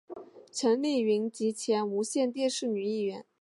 陈丽云及前无线电视女艺员。